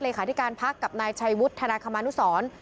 าธิการพักกับนายชัยวุฒนาคมานุสร